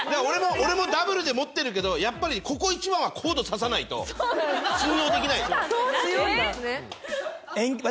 俺もダブルで持ってるけどやっぱりここ一番はコード挿さないと信用できないのよ。